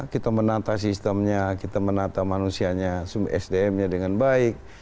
kita menata sistemnya kita menata manusianya sdm nya dengan baik